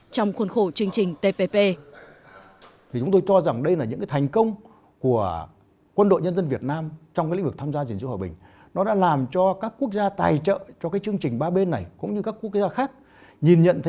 trong khuôn khổ chương trình tpp